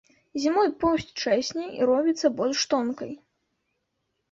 Зімой поўсць чэзне і робіцца больш тонкай.